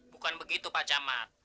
bukan begitu pak jamat